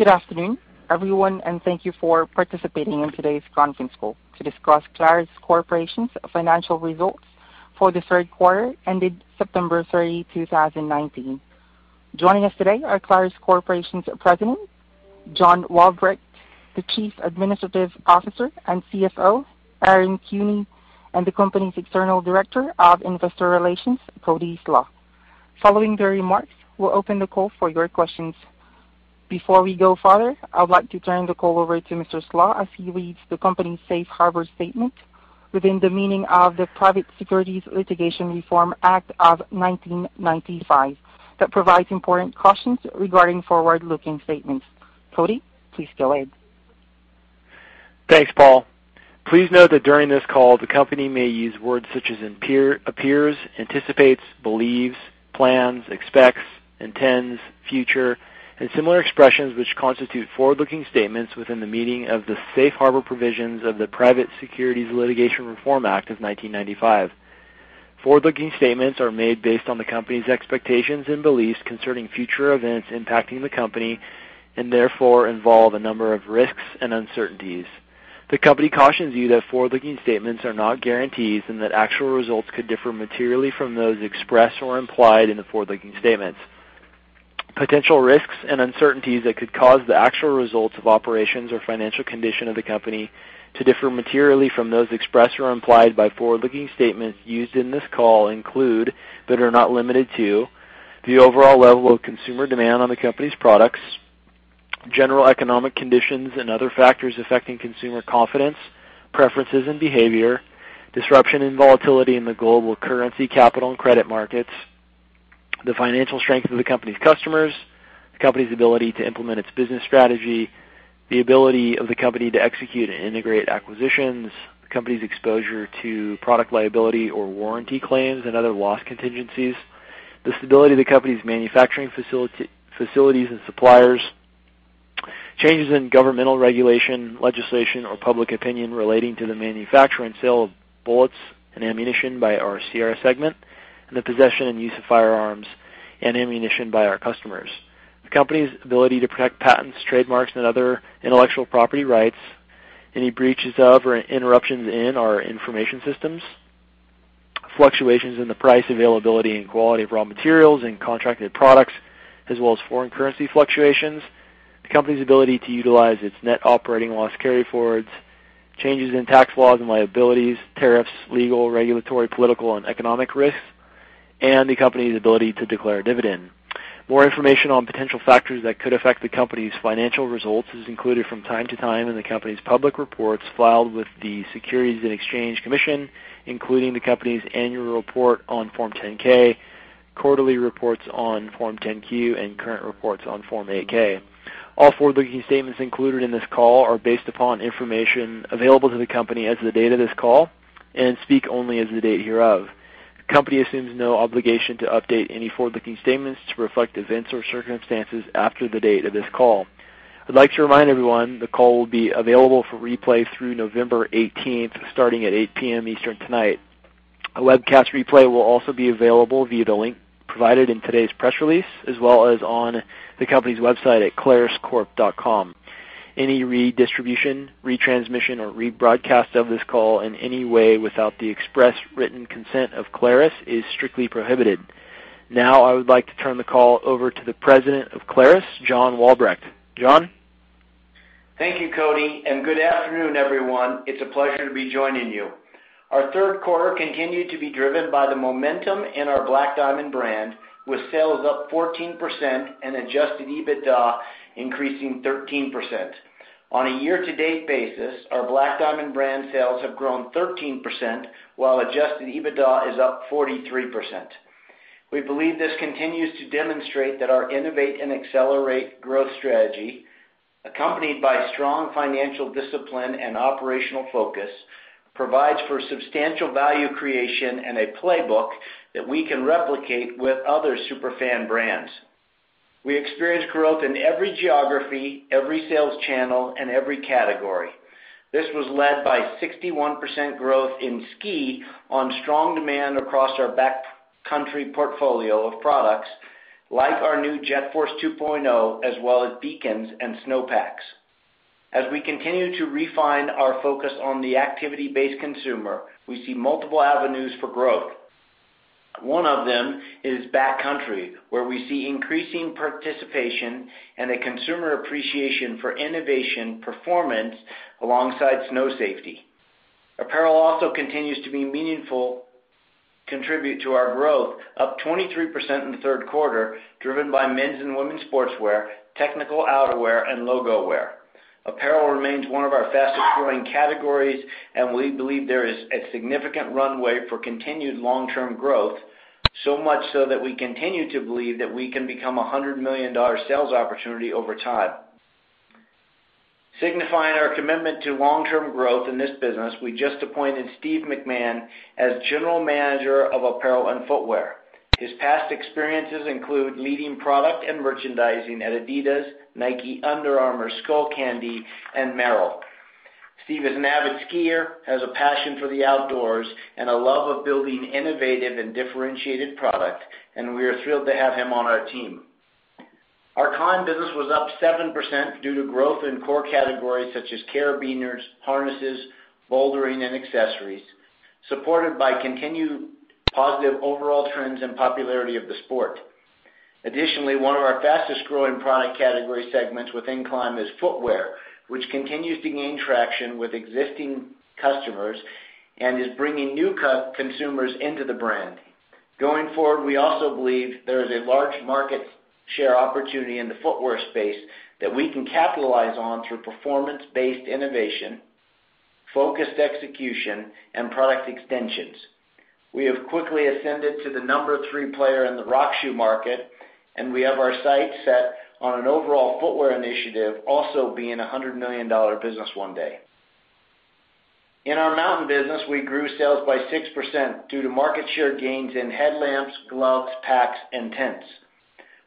Good afternoon, everyone, and thank you for participating in today's conference call to discuss Clarus Corporation's financial results for the third quarter ended September 30, 2019. Joining us today are Clarus Corporation's President, John Walbrecht, the Chief Administrative Officer and CFO, Aaron Kuehne, and the company's External Director of Investor Relations, Cody Slach. Following their remarks, we'll open the call for your questions. Before we go further, I would like to turn the call over to Mr. Slach as he reads the company's safe harbor statement within the meaning of the Private Securities Litigation Reform Act of 1995, that provides important cautions regarding forward-looking statements. Cody, please go ahead. Thanks, Paul. Please note that during this call, the company may use words such as appears, anticipates, believes, plans, expects, intends, future, and similar expressions which constitute forward-looking statements within the meaning of the safe harbor provisions of the Private Securities Litigation Reform Act of 1995. Forward-looking statements are made based on the company's expectations and beliefs concerning future events impacting the company, and therefore involve a number of risks and uncertainties. The company cautions you that forward-looking statements are not guarantees and that actual results could differ materially from those expressed or implied in the forward-looking statements. Potential risks and uncertainties that could cause the actual results of operations or financial condition of the company to differ materially from those expressed or implied by forward-looking statements used in this call include, but are not limited to, the overall level of consumer demand on the company's products, general economic conditions and other factors affecting consumer confidence, preferences, and behavior, disruption and volatility in the global currency, capital, and credit markets, the financial strength of the company's customers, the company's ability to implement its business strategy, the ability of the company to execute and integrate acquisitions, the company's exposure to product liability or warranty claims and other loss contingencies, the stability of the company's manufacturing facilities and suppliers, changes in governmental regulation, legislation, or public opinion relating to the manufacture and sale of bullets and ammunition by our Sierra segment, and the possession and use of firearms and ammunition by our customers. The company's ability to protect patents, trademarks, and other intellectual property rights, any breaches of or interruptions in our information systems, fluctuations in the price, availability, and quality of raw materials and contracted products, as well as foreign currency fluctuations, the company's ability to utilize its net operating loss carryforwards, changes in tax laws and liabilities, tariffs, legal, regulatory, political, and economic risks, and the company's ability to declare a dividend. More information on potential factors that could affect the company's financial results is included from time to time in the company's public reports filed with the Securities and Exchange Commission, including the company's annual report on Form 10-K, quarterly reports on Form 10-Q, and current reports on Form 8-K. All forward-looking statements included in this call are based upon information available to the company as of the date of this call and speak only as of the date hereof. The company assumes no obligation to update any forward-looking statements to reflect events or circumstances after the date of this call. I'd like to remind everyone the call will be available for replay through November 18th, starting at 8:00 P.M. Eastern tonight. A webcast replay will also be available via the link provided in today's press release, as well as on the company's website at claruscorp.com. Any redistribution, retransmission, or rebroadcast of this call in any way without the express written consent of Clarus is strictly prohibited. Now I would like to turn the call over to the President of Clarus, John Walbrecht. John? Thank you, Cody. Good afternoon, everyone. It's a pleasure to be joining you. Our third quarter continued to be driven by the momentum in our Black Diamond brand, with sales up 14% and adjusted EBITDA increasing 13%. On a year-to-date basis, our Black Diamond brand sales have grown 13%, while adjusted EBITDA is up 43%. We believe this continues to demonstrate that our innovate and accelerate growth strategy, accompanied by strong financial discipline and operational focus, provides for substantial value creation and a playbook that we can replicate with other super fan brands. We experienced growth in every geography, every sales channel, and every category. This was led by 61% growth in ski on strong demand across our backcountry portfolio of products, like our new JetForce 2.0, as well as beacons and snowpacks. As we continue to refine our focus on the activity-based consumer, we see multiple avenues for growth. One of them is backcountry, where we see increasing participation and a consumer appreciation for innovation performance alongside snow safety. Apparel also continues to be a meaningful contributor to our growth, up 23% in the third quarter, driven by men's and women's sportswear, technical outerwear, and logo wear. Apparel remains one of our fastest growing categories, and we believe there is a significant runway for continued long-term growth. Much so that we continue to believe that we can become a $100 million sales opportunity over time. Signifying our commitment to long-term growth in this business, we just appointed Steve McMahon as General Manager of Apparel and Footwear. His past experiences include leading product and merchandising at Adidas, Nike, Under Armour, Skullcandy, and Merrell. Steve is an avid skier, has a passion for the outdoors, and a love of building innovative and differentiated product, and we are thrilled to have him on our team. Our Climb business was up 7% due to growth in core categories such as carabiners, harnesses, bouldering, and accessories, supported by continued positive overall trends and popularity of the sport. Additionally, one of our fastest-growing product category segments within Climb is footwear, which continues to gain traction with existing customers and is bringing new consumers into the brand. Going forward, we also believe there is a large market share opportunity in the footwear space that we can capitalize on through performance-based innovation, focused execution, and product extensions. We have quickly ascended to the number three player in the rock shoe market, and we have our sights set on an overall footwear initiative also being a $100 million business one day. In our Mountain business, we grew sales by 6% due to market share gains in headlamps, gloves, packs, and tents.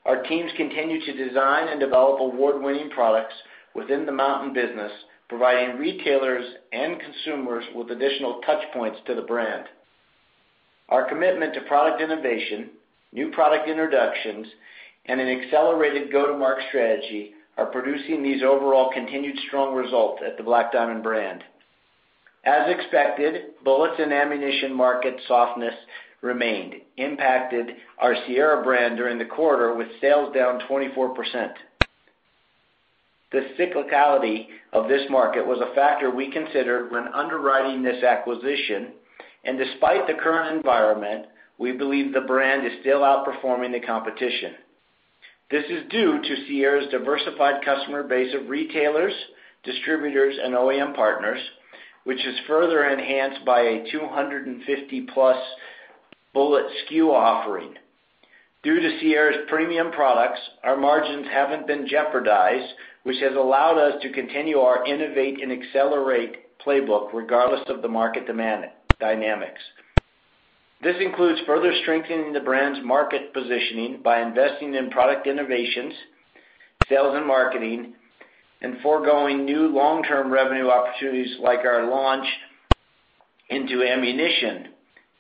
Our teams continue to design and develop award-winning products within the Mountain business, providing retailers and consumers with additional touchpoints to the brand. Our commitment to product innovation, new product introductions, and an accelerated go-to-market strategy are producing these overall continued strong results at the Black Diamond brand. As expected, bullets and ammunition market softness remained, impacted our Sierra brand during the quarter with sales down 24%. The cyclicality of this market was a factor we considered when underwriting this acquisition, and despite the current environment, we believe the brand is still outperforming the competition. This is due to Sierra's diversified customer base of retailers, distributors, and OEM partners, which is further enhanced by a 250+ bullet SKU offering. Due to Sierra's premium products, our margins haven't been jeopardized, which has allowed us to continue our innovate and accelerate playbook regardless of the market dynamics. This includes further strengthening the brand's market positioning by investing in product innovations, sales and marketing, and foregoing new long-term revenue opportunities like our launch into ammunition.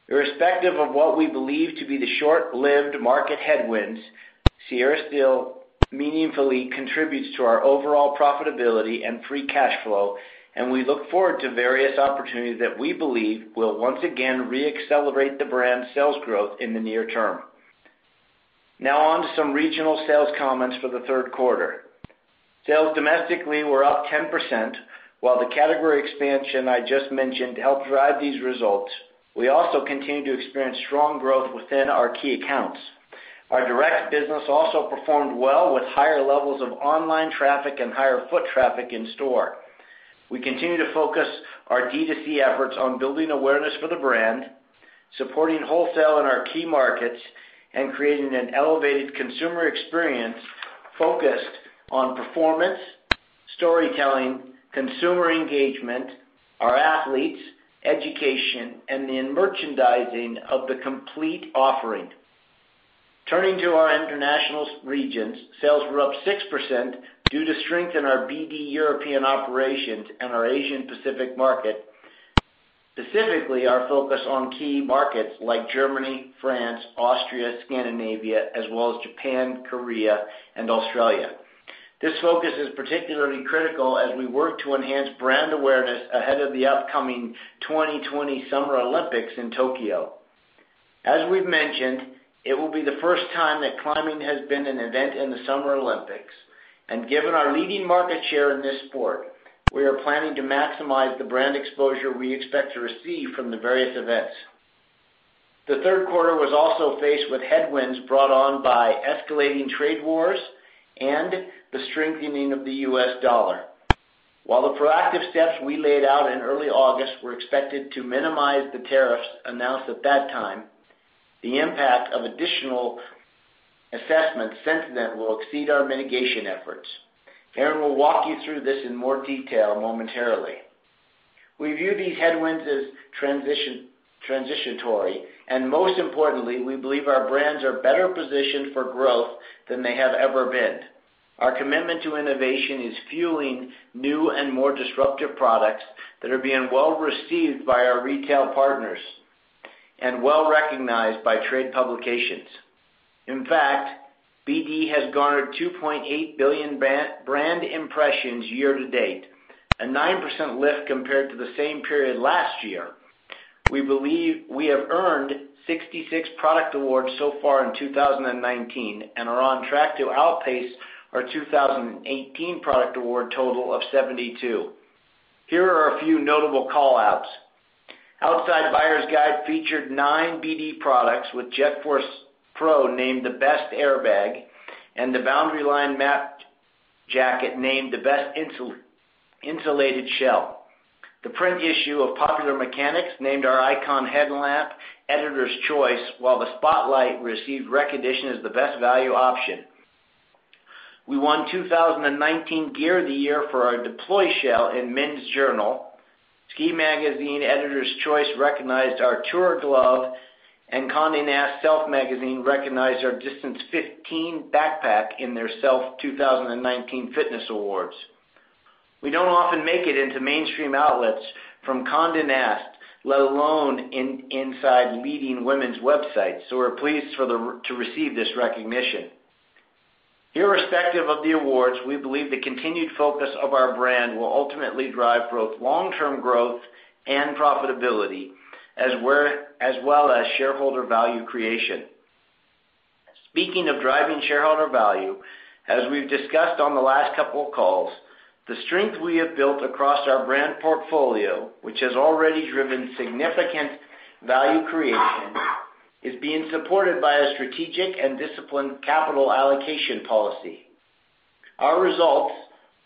Irrespective of what we believe to be the short-lived market headwinds, Sierra still meaningfully contributes to our overall profitability and free cash flow, and we look forward to various opportunities that we believe will once again re-accelerate the brand's sales growth in the near term. Now on to some regional sales comments for the third quarter. Sales domestically were up 10%, while the category expansion I just mentioned helped drive these results, we also continue to experience strong growth within our key accounts. Our direct business also performed well with higher levels of online traffic and higher foot traffic in-store. We continue to focus our D2C efforts on building awareness for the brand, supporting wholesale in our key markets, and creating an elevated consumer experience focused on performance, storytelling, consumer engagement, our athletes, education, and in merchandising of the complete offering. Turning to our international regions, sales were up 6% due to strength in our BD European operations and our Asia Pacific market, specifically our focus on key markets like Germany, France, Austria, Scandinavia, as well as Japan, Korea, and Australia. This focus is particularly critical as we work to enhance brand awareness ahead of the upcoming 2020 Summer Olympics in Tokyo. As we've mentioned, it will be the first time that climbing has been an event in the Summer Olympics, and given our leading market share in this sport, we are planning to maximize the brand exposure we expect to receive from the various events. The third quarter was also faced with headwinds brought on by escalating trade wars and the strengthening of the U.S. dollar. While the proactive steps we laid out in early August were expected to minimize the tariffs announced at that time, the impact of additional assessments since then will exceed our mitigation efforts. Aaron will walk you through this in more detail momentarily. We view these headwinds as transitionary, and most importantly, we believe our brands are better positioned for growth than they have ever been. Our commitment to innovation is fueling new and more disruptive products that are being well-received by our retail partners and well-recognized by trade publications. In fact, BD has garnered 2.8 billion brand impressions year to date, a 9% lift compared to the same period last year. We have earned 66 product awards so far in 2019 and are on track to outpace our 2018 product award total of 72. Here are a few notable call-outs. Outside Buyer's Guide featured nine BD products, with JetForce Pro named the best airbag and the Boundary Line Mapped Jacket named the best insulated shell. The print issue of Popular Mechanics named our Icon Headlamp Editor's Choice, while the Spot Lite received recognition as the best value option. We won 2019 Gear of the Year for our Deploy Shell in Men's Journal. SKI Magazine Editors Choice recognized our tour glove. Condé Nast Self Magazine recognized our Distance 15 Backpack in their Self 2019 Fitness Awards. We don't often make it into mainstream outlets from Condé Nast, let alone inside leading women's websites. We're pleased to receive this recognition. Irrespective of the awards, we believe the continued focus of our brand will ultimately drive both long-term growth and profitability, as well as shareholder value creation. Speaking of driving shareholder value, as we've discussed on the last couple of calls, the strength we have built across our brand portfolio, which has already driven significant value creation, is being supported by a strategic and disciplined capital allocation policy. Our results,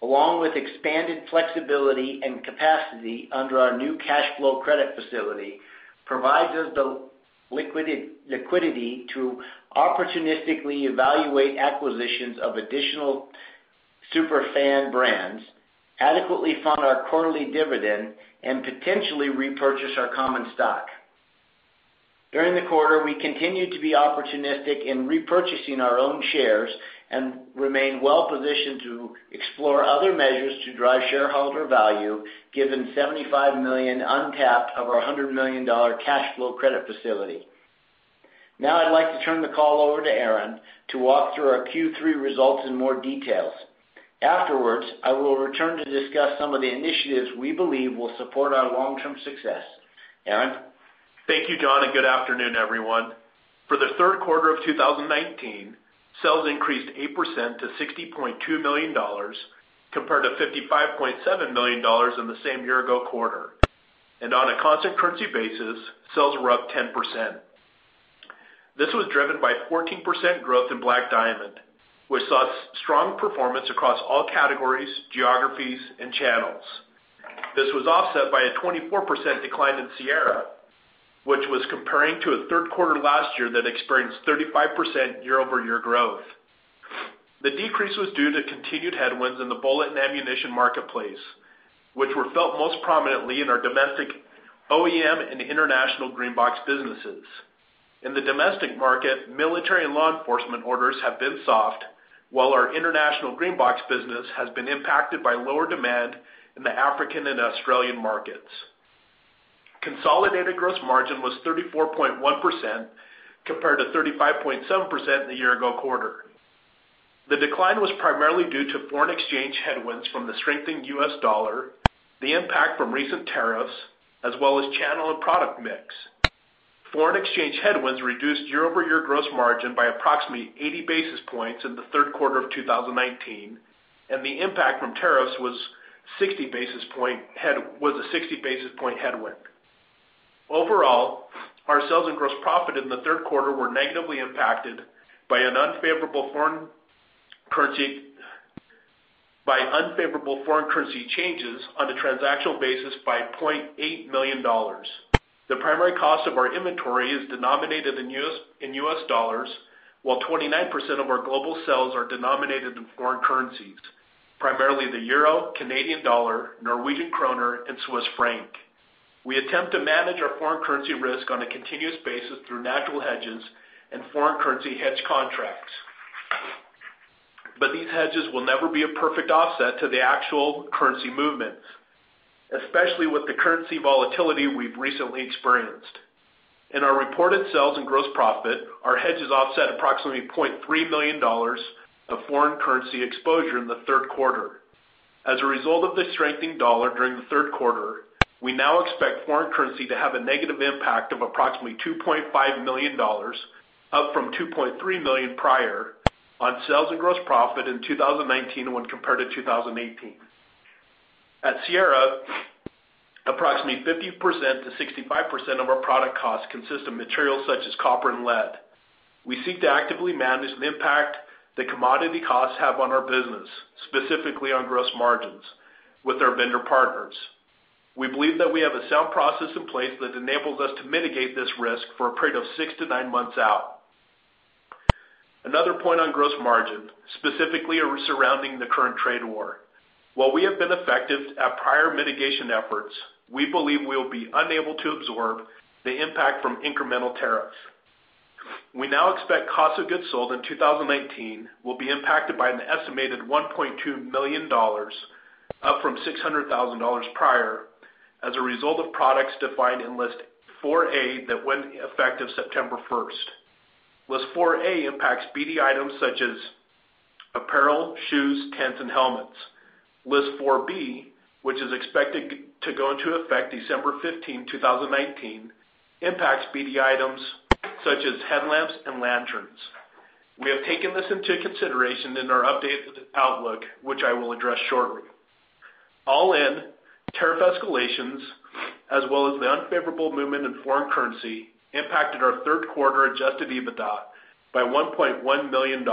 along with expanded flexibility and capacity under our new cash flow credit facility, provides us the liquidity to opportunistically evaluate acquisitions of additional super fan brands, adequately fund our quarterly dividend, and potentially repurchase our common stock. During the quarter, we continued to be opportunistic in repurchasing our own shares and remain well-positioned to explore other measures to drive shareholder value, given $75 million untapped of our $100 million cash flow credit facility. Now I'd like to turn the call over to Aaron to walk through our Q3 results in more details. Afterwards, I will return to discuss some of the initiatives we believe will support our long-term success. Aaron? Thank you, John, good afternoon, everyone. For the third quarter of 2019, sales increased 8% to $60.2 million, compared to $55.7 million in the same year-ago quarter. On a constant currency basis, sales were up 10%. This was driven by 14% growth in Black Diamond, which saw strong performance across all categories, geographies, and channels. This was offset by a 24% decline in Sierra, which was comparing to a third quarter last year that experienced 35% year-over-year growth. The decrease was due to continued headwinds in the bullet and ammunition marketplace, which were felt most prominently in our domestic OEM and international green box businesses. In the domestic market, military and law enforcement orders have been soft, while our international green box business has been impacted by lower demand in the African and Australian markets. Consolidated gross margin was 34.1%, compared to 35.7% in the year ago quarter. The decline was primarily due to foreign exchange headwinds from the strengthening U.S. dollar, the impact from recent tariffs, as well as channel and product mix. Foreign exchange headwinds reduced year-over-year gross margin by approximately 80 basis points in the third quarter of 2019, and the impact from tariffs was a 60 basis point headwind. Overall, our sales and gross profit in the third quarter were negatively impacted by unfavorable foreign currency changes on a transactional basis by $0.8 million. The primary cost of our inventory is denominated in U.S. dollars, while 29% of our global sales are denominated in foreign currencies, primarily the euro, Canadian dollar, Norwegian kroner, and Swiss franc. We attempt to manage our foreign currency risk on a continuous basis through natural hedges and foreign currency hedge contracts. These hedges will never be a perfect offset to the actual currency movements, especially with the currency volatility we've recently experienced. In our reported sales and gross profit, our hedges offset approximately $0.3 million of foreign currency exposure in the third quarter. As a result of the strengthening dollar during the third quarter, we now expect foreign currency to have a negative impact of approximately $2.5 million, up from $2.3 million prior, on sales and gross profit in 2019 when compared to 2018. At Sierra, approximately 50%-65% of our product costs consist of materials such as copper and lead. We seek to actively manage the impact that commodity costs have on our business, specifically on gross margins, with our vendor partners. We believe that we have a sound process in place that enables us to mitigate this risk for a period of six to nine months out. Another point on gross margin, specifically surrounding the current trade war. While we have been effective at prior mitigation efforts, we believe we will be unable to absorb the impact from incremental tariffs. We now expect cost of goods sold in 2019 will be impacted by an estimated $1.2 million, up from $600,000 prior, as a result of products defined in List 4A that went effective September 1st. List 4A impacts BD items such as apparel, shoes, tents, and helmets. List 4B, which is expected to go into effect December 15, 2019, impacts BD items such as headlamps and lanterns. We have taken this into consideration in our updated outlook, which I will address shortly. All in, tariff escalations, as well as the unfavorable movement in foreign currency, impacted our third quarter adjusted EBITDA by $1.1 million.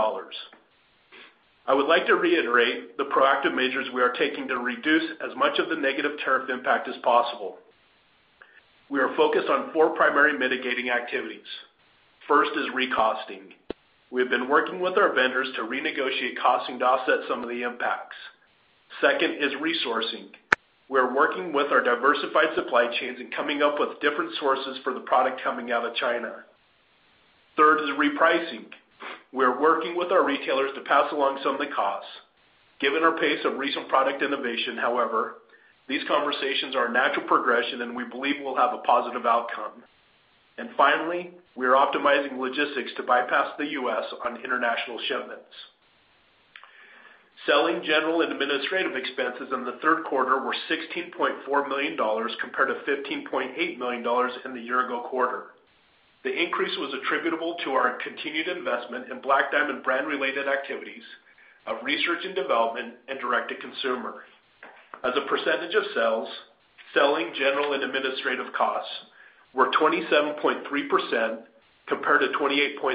I would like to reiterate the proactive measures we are taking to reduce as much of the negative tariff impact as possible. We are focused on four primary mitigating activities. First is re-costing. We have been working with our vendors to renegotiate costing to offset some of the impacts. Second is resourcing. We're working with our diversified supply chains and coming up with different sources for the product coming out of China. Third is re-pricing. We're working with our retailers to pass along some of the costs. Given our pace of recent product innovation, however, these conversations are a natural progression, and we believe we'll have a positive outcome. Finally, we are optimizing logistics to bypass the U.S. on international shipments. Selling, general, and administrative expenses in the third quarter were $16.4 million, compared to $15.8 million in the year-ago quarter. The increase was attributable to our continued investment in Black Diamond brand-related activities of research and development, and direct-to-consumer. As a percentage of sales, selling, general, and administrative costs were 27.3% compared to 28.3%,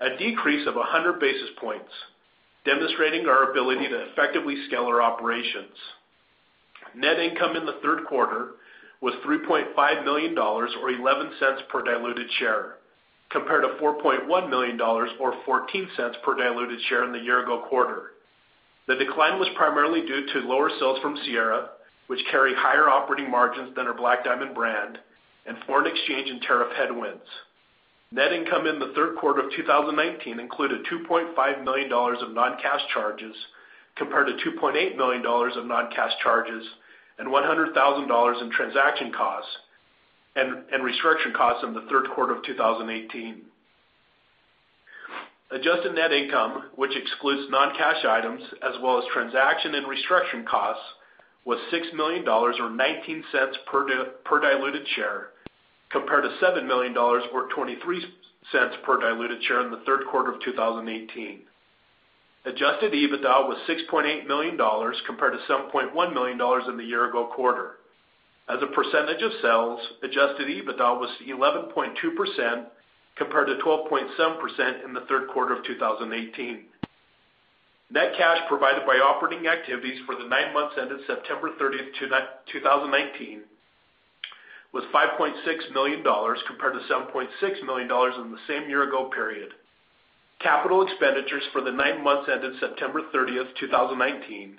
a decrease of 100 basis points, demonstrating our ability to effectively scale our operations. Net income in the third quarter was $3.5 million, or $0.11 per diluted share, compared to $4.1 million or $0.14 per diluted share in the year-ago quarter. The decline was primarily due to lower sales from Sierra, which carry higher operating margins than our Black Diamond brand, and foreign exchange and tariff headwinds. Net income in the third quarter of 2019 included $2.5 million of non-cash charges, compared to $2.8 million of non-cash charges, and $100,000 in transaction costs and restructuring costs in the third quarter of 2018. Adjusted net income, which excludes non-cash items as well as transaction and restructuring costs, was $6 million or $0.19 per diluted share, compared to $7 million or $0.23 per diluted share in the third quarter of 2018. Adjusted EBITDA was $6.8 million, compared to $7.1 million in the year-ago quarter. As a percentage of sales, adjusted EBITDA was 11.2% compared to 12.7% in the third quarter of 2018. Net cash provided by operating activities for the nine months ended September 30th, 2019 was $5.6 million, compared to $7.6 million in the same year-ago period. Capital expenditures for the nine months ended September 30th, 2019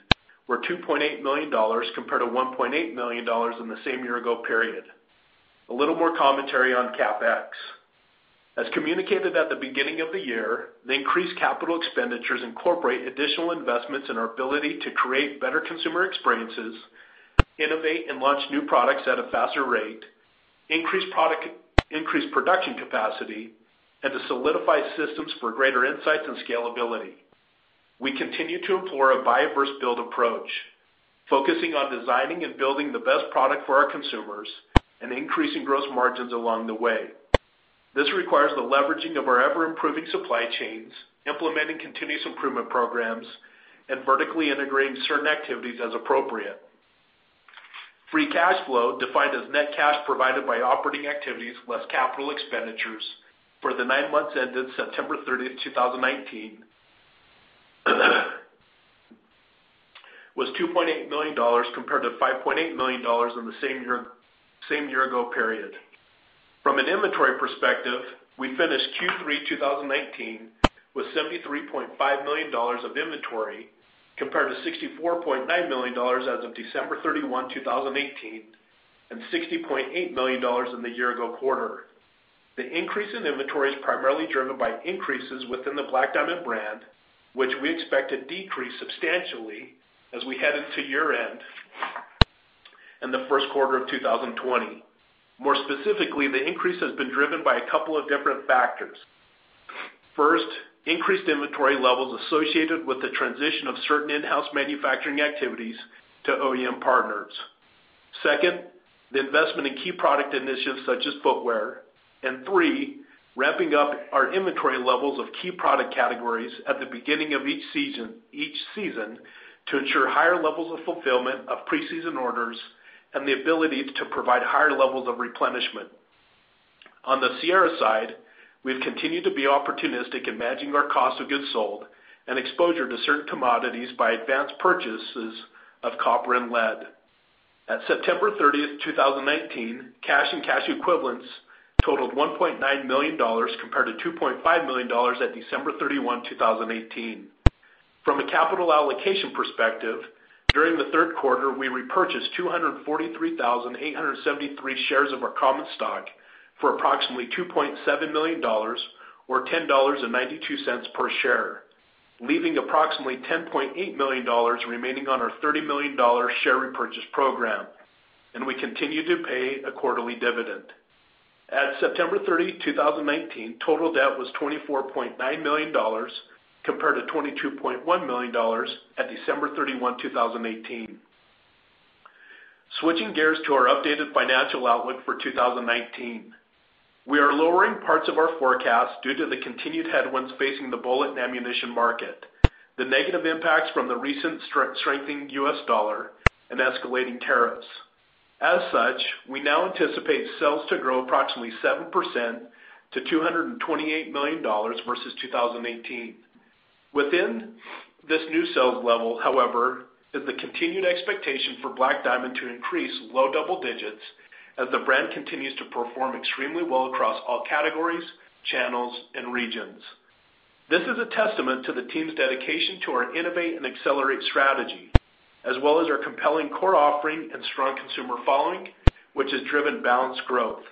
were $2.8 million, compared to $1.8 million in the same year-ago period. A little more commentary on CapEx. As communicated at the beginning of the year, the increased capital expenditures incorporate additional investments in our ability to create better consumer experiences, innovate and launch new products at a faster rate, increase production capacity, and to solidify systems for greater insights and scalability. We continue to employ a buy versus build approach, focusing on designing and building the best product for our consumers and increasing gross margins along the way. This requires the leveraging of our ever-improving supply chains, implementing continuous improvement programs, and vertically integrating certain activities as appropriate. Free cash flow, defined as net cash provided by operating activities less capital expenditures for the nine months ended September 30th, 2019 was $2.8 million, compared to $5.8 million in the same year-ago period. From an inventory perspective, we finished Q3 2019 with $73.5 million of inventory, compared to $64.9 million as of December 31, 2018, and $60.8 million in the year-ago quarter. The increase in inventory is primarily driven by increases within the Black Diamond brand, which we expect to decrease substantially as we head into year-end and the first quarter of 2020. More specifically, the increase has been driven by a couple of different factors. First, increased inventory levels associated with the transition of certain in-house manufacturing activities to OEM partners. Second, the investment in key product initiatives such as footwear. Three, ramping up our inventory levels of key product categories at the beginning of each season to ensure higher levels of fulfillment of pre-season orders and the ability to provide higher levels of replenishment. On the Sierra side, we've continued to be opportunistic in managing our cost of goods sold and exposure to certain commodities by advanced purchases of copper and lead. At September 30th, 2019, cash and cash equivalents totaled $1.9 million, compared to $2.5 million at December 31, 2018. From a capital allocation perspective, during the third quarter, we repurchased 243,873 shares of our common stock for approximately $2.7 million, or $10.92 per share, leaving approximately $10.8 million remaining on our $30 million share repurchase program. We continue to pay a quarterly dividend. At September 30, 2019, total debt was $24.9 million, compared to $22.1 million at December 31, 2018. Switching gears to our updated financial outlook for 2019. We are lowering parts of our forecast due to the continued headwinds facing the bullet and ammunition market, the negative impacts from the recent strengthening U.S. dollar, and escalating tariffs. As such, we now anticipate sales to grow approximately 7% to $228 million versus 2018. Within this new sales level, however, is the continued expectation for Black Diamond to increase low double digits as the brand continues to perform extremely well across all categories, channels, and regions. This is a testament to the team's dedication to our innovate and accelerate strategy, as well as our compelling core offering and strong consumer following, which has driven balanced growth.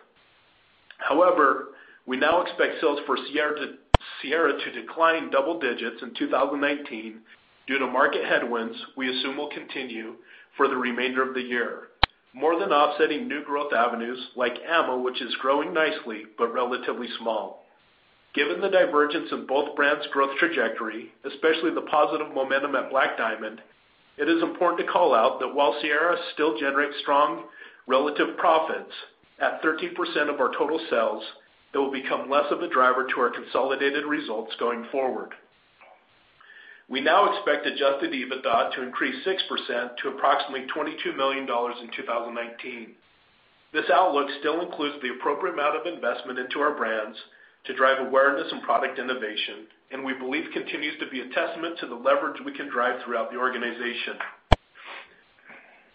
However, we now expect sales for Sierra to decline in double digits in 2019 due to market headwinds we assume will continue for the remainder of the year, more than offsetting new growth avenues like ammo, which is growing nicely but relatively small. Given the divergence in both brands' growth trajectory, especially the positive momentum at Black Diamond, it is important to call out that while Sierra still generates strong relative profits at 13% of our total sales, that will become less of a driver to our consolidated results going forward. We now expect adjusted EBITDA to increase 6% to approximately $22 million in 2019. This outlook still includes the appropriate amount of investment into our brands to drive awareness and product innovation, and we believe continues to be a testament to the leverage we can drive throughout the organization.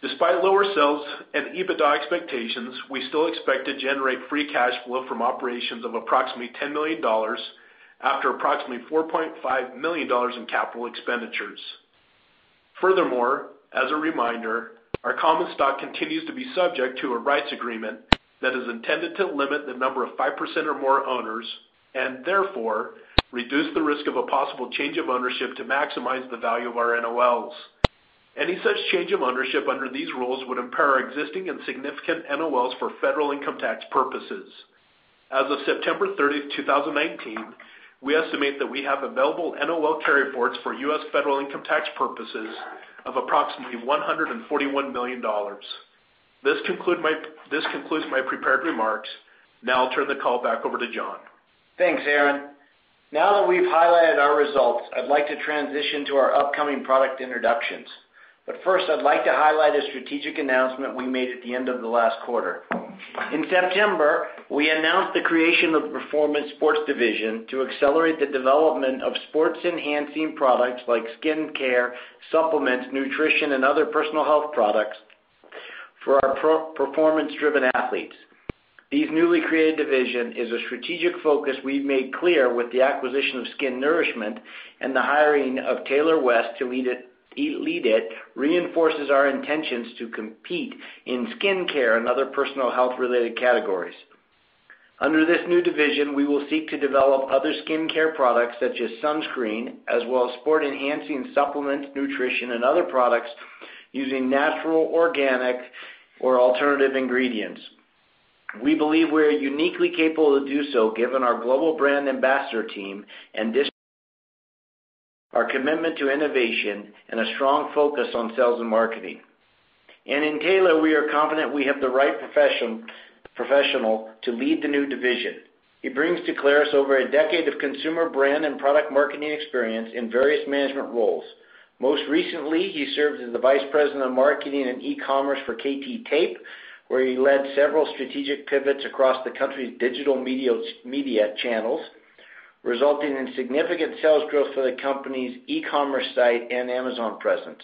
Despite lower sales and EBITDA expectations, we still expect to generate free cash flow from operations of approximately $10 million after approximately $4.5 million in capital expenditures. As a reminder, our common stock continues to be subject to a rights agreement that is intended to limit the number of 5% or more owners, and therefore reduce the risk of a possible change of ownership to maximize the value of our NOLs. Any such change of ownership under these rules would impair our existing and significant NOLs for federal income tax purposes. As of September 30th, 2019, we estimate that we have available NOL carryforwards for U.S. federal income tax purposes of approximately $141 million. This concludes my prepared remarks. I'll turn the call back over to John. Thanks, Aaron. Now that we've highlighted our results, I'd like to transition to our upcoming product introductions. First, I'd like to highlight a strategic announcement we made at the end of the last quarter. In September, we announced the creation of the Performance Sports Division to accelerate the development of sports-enhancing products like skincare, supplements, nutrition, and other personal health products for our performance-driven athletes. This newly created division is a strategic focus we've made clear with the acquisition of SKINourishment and the hiring of Taylor West to lead it, reinforces our intentions to compete in skincare and other personal health-related categories. Under this new division, we will seek to develop other skincare products such as sunscreen, as well as sport-enhancing supplements, nutrition, and other products using natural, organic, or alternative ingredients. We believe we're uniquely capable to do so given our global brand ambassador team and discipline, our commitment to innovation, and a strong focus on sales and marketing. In Taylor, we are confident we have the right professional to lead the new division. He brings to Clarus over a decade of consumer brand and product marketing experience in various management roles. Most recently, he served as the Vice President of Marketing and eCommerce for KT Tape, where he led several strategic pivots across the company's digital media channels, resulting in significant sales growth for the company's eCommerce site and Amazon presence.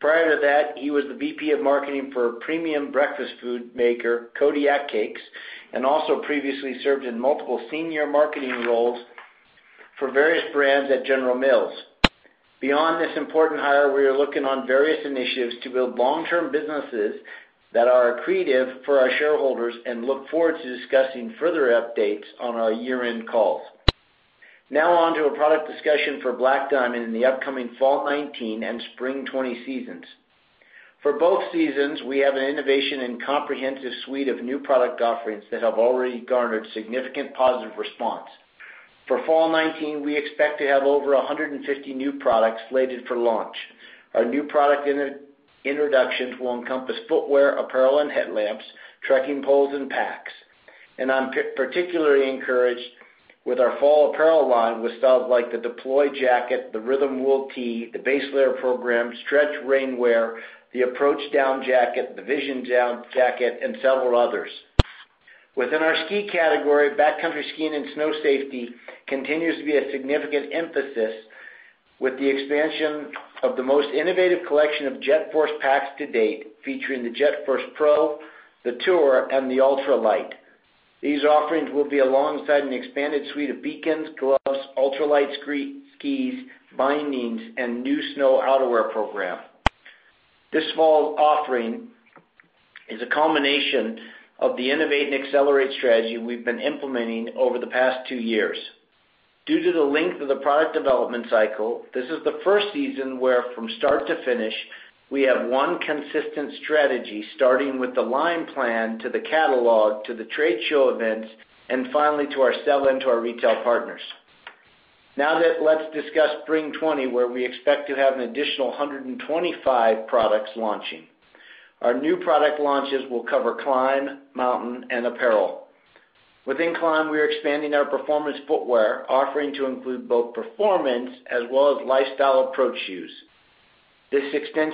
Prior to that, he was the VP of Marketing for a premium breakfast food maker, Kodiak Cakes, and also previously served in multiple senior marketing roles for various brands at General Mills. Beyond this important hire, we are looking on various initiatives to build long-term businesses that are accretive for our shareholders and look forward to discussing further updates on our year-end calls. On to a product discussion for Black Diamond in the upcoming fall 2019 and spring 2020 seasons. For both seasons, we have an innovation and comprehensive suite of new product offerings that have already garnered significant positive response. For fall 2019, we expect to have over 150 new products slated for launch. Our new product introductions will encompass footwear, apparel, and headlamps, trekking poles, and packs. I'm particularly encouraged with our fall apparel line with styles like the Deploy Jacket, the Rhythm Wool Tee, the base layer program, Stretch Rainwear, the Approach Down Jacket, the Vision Down Jacket, and several others. Within our ski category, backcountry skiing and snow safety continues to be a significant emphasis with the expansion of the most innovative collection of JetForce packs to date, featuring the JetForce Pro, the Tour, and the Ultralight. These offerings will be alongside an expanded suite of beacons, gloves, ultralight skis, bindings, and new snow outerwear program. This fall offering is a culmination of the innovate and accelerate strategy we've been implementing over the past two years. Due to the length of the product development cycle, this is the first season where from start to finish, we have one consistent strategy, starting with the line plan to the catalog, to the trade show events, and finally to our sell-in to our retail partners. Let's discuss spring 2020, where we expect to have an additional 125 products launching. Our new product launches will cover climb, mountain, and apparel. Within climb, we are expanding our performance footwear offering to include both performance as well as lifestyle Approach shoes. We'll expect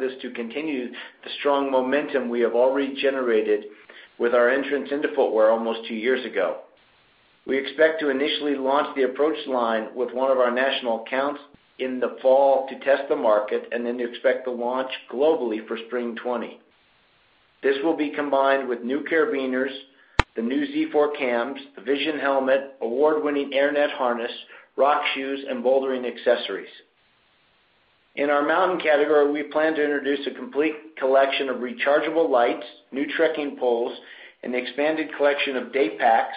this to continue the strong momentum we have already generated with our entrance into footwear almost two years ago. We expect to initially launch the Approach line with one of our national accounts in the fall to test the market. Then we expect the launch globally for Spring 2020. This will be combined with new carabiners, the new Z4 Cams, the Vision Helmet, award-winning airNET Harness, rock shoes, and bouldering accessories. In our mountain category, we plan to introduce a complete collection of rechargeable lights, new trekking poles, and expanded collection of day packs.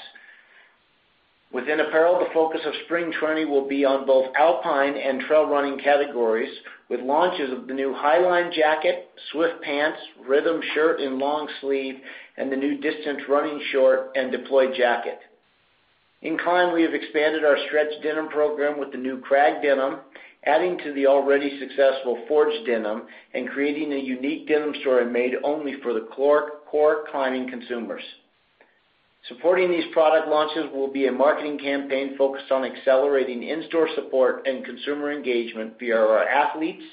Within apparel, the focus of Spring 2020 will be on both alpine and trail running categories, with launches of the new Highline Jacket, Swift Pant, Rhythm shirt and long sleeve, and the new Distance Running Short and Deploy Jacket. In climbing, we have expanded our stretch denim program with the new Crag Denim, adding to the already successful Forge Denim and creating a unique Denim story made only for the core climbing consumers. Supporting these product launches will be a marketing campaign focused on accelerating in-store support and consumer engagement via our athletes,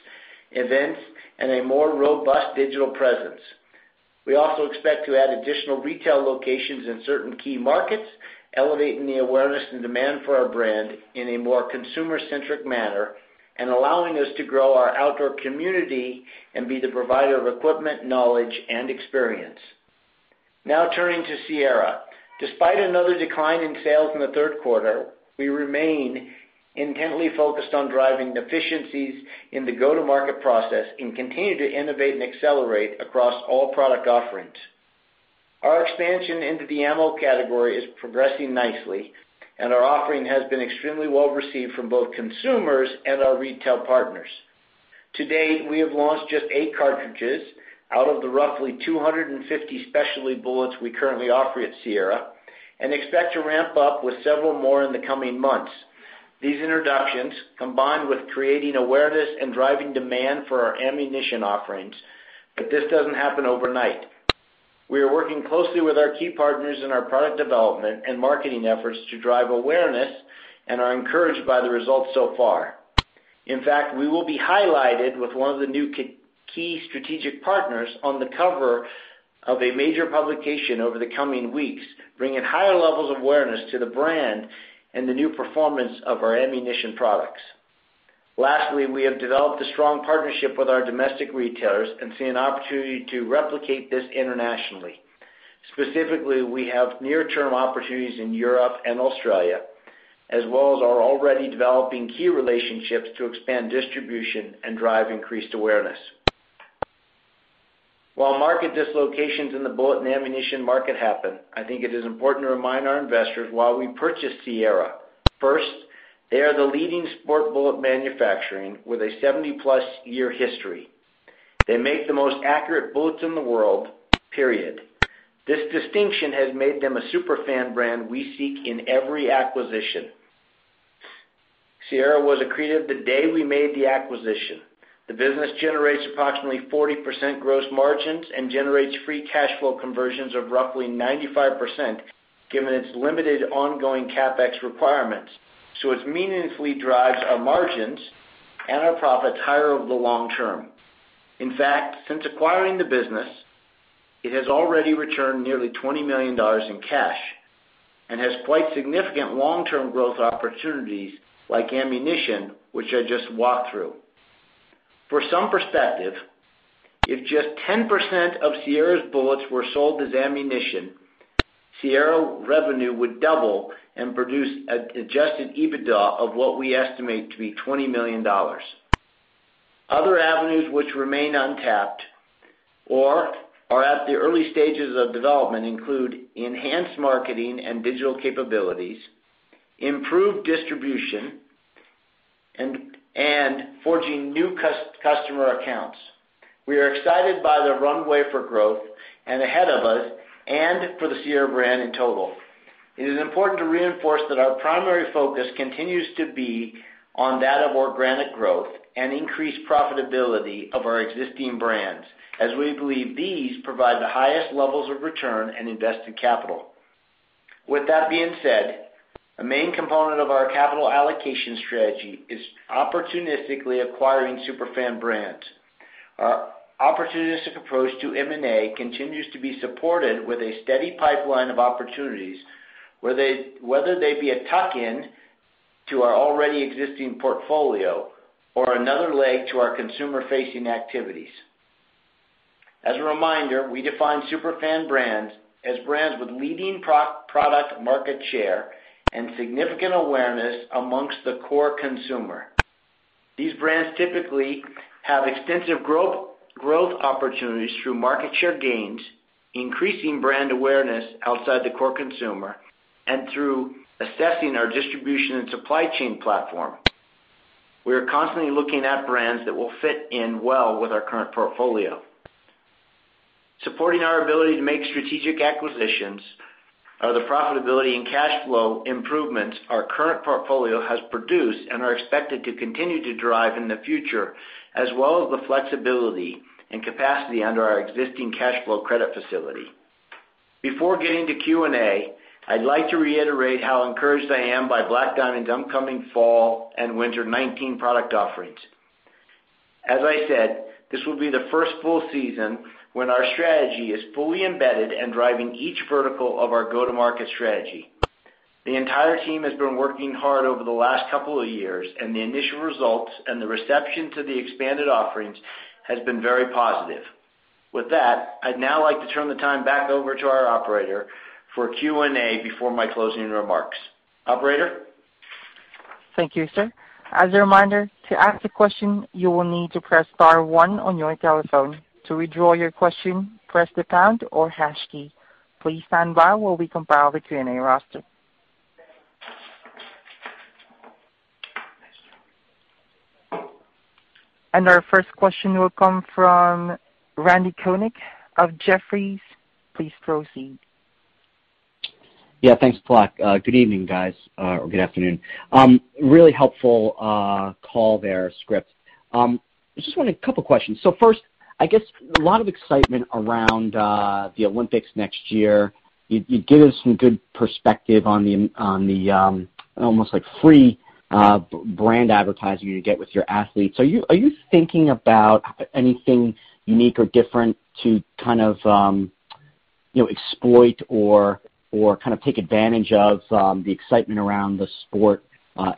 events, and a more robust digital presence. We also expect to add additional retail locations in certain key markets, elevating the awareness and demand for our brand in a more consumer-centric manner and allowing us to grow our outdoor community and be the provider of equipment, knowledge, and experience. Now turning to Sierra. Despite another decline in sales in the third quarter, we remain intently focused on driving efficiencies in the go-to-market process and continue to innovate and accelerate across all product offerings. Our expansion into the ammo category is progressing nicely, and our offering has been extremely well-received from both consumers and our retail partners. To date, we have launched just eight cartridges out of the roughly 250 specialty bullets we currently offer at Sierra and expect to ramp up with several more in the coming months. These introductions, combined with creating awareness and driving demand for our ammunition offerings, but this doesn't happen overnight. We are working closely with our key partners in our product development and marketing efforts to drive awareness and are encouraged by the results so far. In fact, we will be highlighted with one of the new key strategic partners on the cover of a major publication over the coming weeks, bringing higher levels of awareness to the brand and the new performance of our ammunition products. Lastly, we have developed a strong partnership with our domestic retailers and see an opportunity to replicate this internationally. Specifically, we have near-term opportunities in Europe and Australia, as well as are already developing key relationships to expand distribution and drive increased awareness. While market dislocations in the bullet and ammunition market happen, I think it is important to remind our investors why we purchased Sierra. First, they are the leading sport bullet manufacturing with a 70-plus-year history. They make the most accurate bullets in the world, period. This distinction has made them a super fan brand we seek in every acquisition. Sierra was accretive the day we made the acquisition. The business generates approximately 40% gross margins and generates free cash flow conversions of roughly 95% given its limited ongoing CapEx requirements. It meaningfully drives our margins and our profits higher over the long term. In fact, since acquiring the business, it has already returned nearly $20 million in cash and has quite significant long-term growth opportunities like ammunition, which I just walked through. For some perspective, if just 10% of Sierra's bullets were sold as ammunition, Sierra revenue would double and produce an adjusted EBITDA of what we estimate to be $20 million. Other avenues which remain untapped or are at the early stages of development include enhanced marketing and digital capabilities, improved distribution, and forging new customer accounts. We are excited by the runway for growth and ahead of us and for the Sierra brand in total. It is important to reinforce that our primary focus continues to be on that of organic growth and increased profitability of our existing brands, as we believe these provide the highest levels of return on invested capital. With that being said, a main component of our capital allocation strategy is opportunistically acquiring super fan brands. Our opportunistic approach to M&A continues to be supported with a steady pipeline of opportunities, whether they be a tuck-in to our already existing portfolio or another leg to our consumer-facing activities. As a reminder, we define super fan brands as brands with leading product market share and significant awareness amongst the core consumer. These brands typically have extensive growth opportunities through market share gains, increasing brand awareness outside the core consumer, and through accessing our distribution and supply chain platform. We are constantly looking at brands that will fit in well with our current portfolio. Supporting our ability to make strategic acquisitions are the profitability and cash flow improvements our current portfolio has produced and are expected to continue to drive in the future, as well as the flexibility and capacity under our existing cash flow credit facility. Before getting to Q&A, I'd like to reiterate how encouraged I am by Black Diamond's upcoming fall and winter 2019 product offerings. As I said, this will be the first full season when our strategy is fully embedded and driving each vertical of our go-to-market strategy. The entire team has been working hard over the last couple of years, the initial results and the reception to the expanded offerings has been very positive. With that, I'd now like to turn the time back over to our operator for Q&A before my closing remarks. Operator? Thank you, sir. As a reminder, to ask a question, you will need to press star one on your telephone. To withdraw your question, press the pound or hash key. Please stand by while we compile the Q&A roster. Our first question will come from Randal Konik of Jefferies. Please proceed. Thanks a lot. Good evening, guys, or good afternoon. Really helpful call there, [Script]. A couple questions. First, I guess a lot of excitement around the Olympics next year. You gave us some good perspective on the almost free brand advertising you get with your athletes. Are you thinking about anything unique or different to exploit or take advantage of the excitement around the sport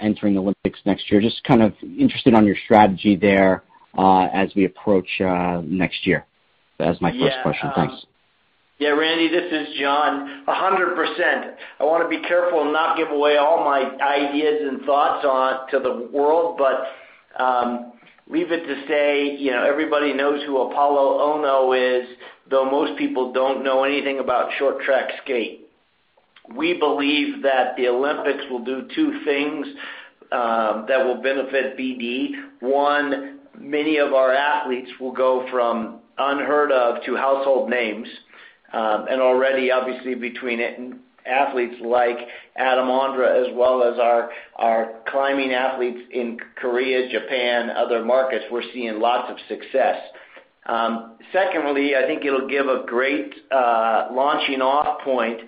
entering the Olympics next year? Just kind of interested on your strategy there as we approach next year. That is my first question. Thanks. Yeah, Randy, this is John. 100%. I want to be careful not give away all my ideas and thoughts to the world, but leave it to say, everybody knows who Apolo Ohno is, though most people don't know anything about short track skate. We believe that the Olympics will do two things that will benefit BD. One, many of our athletes will go from unheard of to household names. Already, obviously between athletes like Adam Ondra, as well as our climbing athletes in Korea, Japan, other markets, we're seeing lots of success. Secondly, I think it'll give a great launching off point,